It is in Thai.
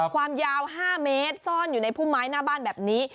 ความยาว๕เมตรซ่อนอยู่ในพุ่มไม้หน้าบ้านแบบนี้